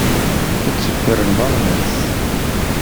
Tetteffer lbaḍna-s.